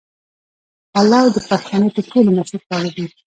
پلو د پښتنو تر ټولو مشهور خواړه دي.